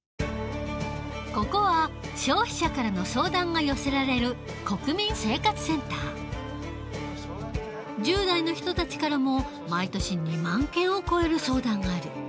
ここは消費者からの相談が寄せられる１０代の人たちからも毎年２万件を超える相談がある。